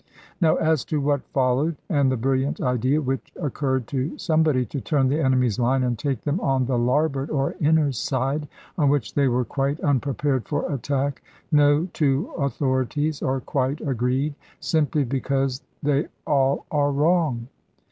Now as to what followed, and the brilliant idea which occurred to somebody to turn the enemy's line and take them on the larboard or inner side (on which they were quite unprepared for attack), no two authorities are quite agreed, simply because they all are wrong.